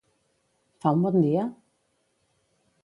Fa un bon dia?